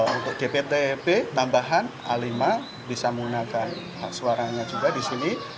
untuk dpt b tambahan a lima bisa menggunakan hak suaranya juga di sini